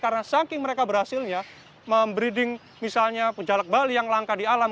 karena saking mereka berhasilnya membereding misalnya penjalak bali yang langka di alam